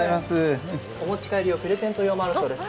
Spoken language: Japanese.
お持ち帰りやプレゼント用もあるそうです。